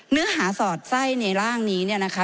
เนื้อหาสอดไส้ในร่างนี้เนี่ยนะคะ